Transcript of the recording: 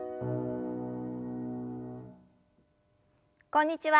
こんにちは